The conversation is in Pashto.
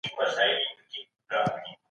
رښتيا ويل د انسان عزت زياتوي.